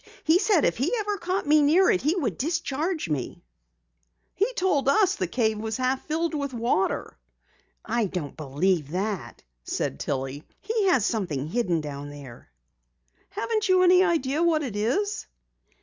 He said if he ever caught me near it he would discharge me." "He told us that the cave was half filled with water." "I don't believe that," said Tillie. "He has something hidden down there." "Haven't you any idea what it is?"